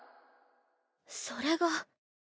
それが。